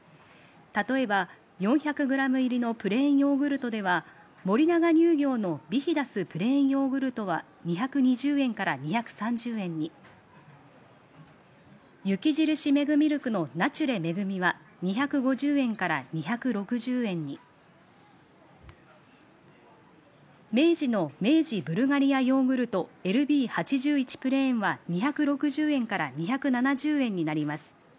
例えば４００グラム入りのプレーンヨーグルトでは、森永乳業の「ビヒダスプレーンヨーグルト」は２２０円から２３０円に、雪印メグミルクの「ナチュレ恵ｍｅｇｕｍｉ」は２５０円から２６０円に、明治の「明治ブルガリアヨーグルトＬＢ８１プレーン」は２６０円から２７０円になります。